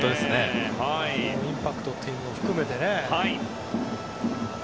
インパクトというのも含めてね。